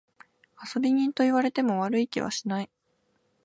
遊び人と言われても悪い気はしない。